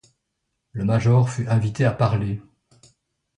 Le major fut invité à parler.